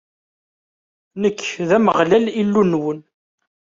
Nekk, d Ameɣlal, Illu-nwen.